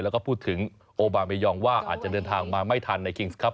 แล้วก็พูดถึงโอบาเมยองว่าอาจจะเดินทางมาไม่ทันในคิงส์ครับ